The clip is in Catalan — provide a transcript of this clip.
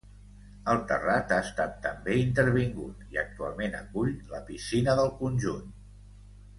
El terrat ha estat també intervingut i actualment acull la piscina del conjunt.